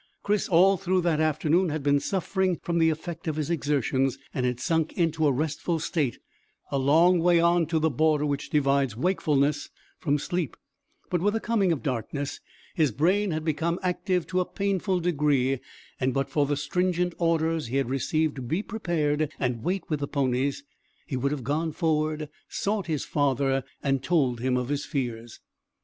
Chris all through that afternoon had been suffering from the effect of his exertions, and had sunk into a restful state a long way on to the border which divides wakefulness from sleep; but with the coming of darkness his brain had become active to a painful degree, and but for the stringent orders he had received to be prepared and wait with the ponies, he would have gone forward, sought his father, and told him of his fears.